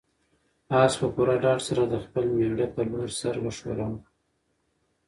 آس په پوره ډاډ سره د خپل مېړه په لور سر وښوراوه.